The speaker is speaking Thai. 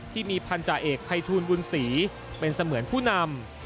ที่มีพันธาเอกภัยทูลบุญศรีเป็นเสมือนผู้นำ